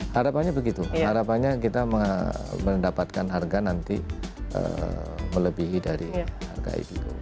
harapannya begitu harapannya kita mendapatkan harga nanti melebihi dari harga itu